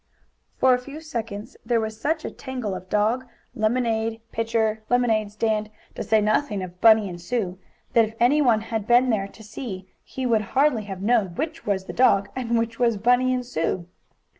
For a few seconds there was such a tangle of dog, lemonade, pitcher, lemonade stand, to say nothing of Bunny and Sue, that if any one had been there to see he would hardly have known which was the dog, and which was Bunny and Sue.